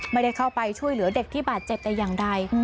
ไม่ได้เข้าไปช่วยเหลือเด็กที่บาดเจ็บแต่อย่างใด